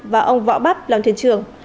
và ông võ bắp làm thiền trường